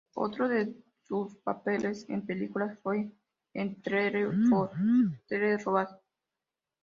Otro de sus papeles en películas fue en "Three for the Road.